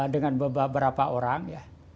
dengan beberapa orang ya